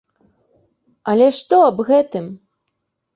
Але што аб гэтым?